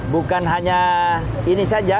bukan hanya ini saja